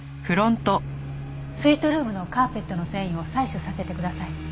スイートルームのカーペットの繊維を採取させてください。